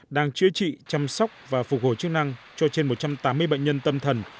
đang chữa trị chăm sóc và phục hồi chức năng cho trên một trăm tám mươi bệnh nhân tâm thần